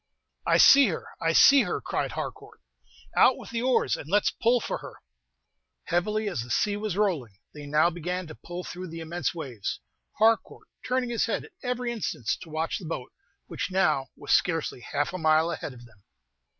"I see her! I see her!" cried Harcourt; "out with the oars, and let's pull for her." Heavily as the sea was rolling, they now began to pull through the immense waves, Harcourt turning his head at every instant to watch the boat, which now was scarcely half a mile ahead of them.